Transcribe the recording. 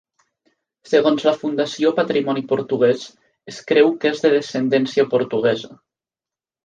Segons la Fundació Patrimoni Portuguès, es creu que és de descendència portuguesa.